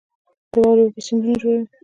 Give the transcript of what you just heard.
د واورې اوبه سیندونه جوړوي